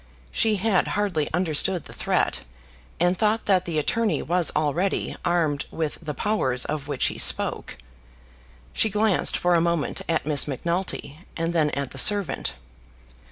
She had hardly understood the threat, and thought that the attorney was already armed with the powers of which he spoke. She glanced for a moment at Miss Macnulty, and then at the servant.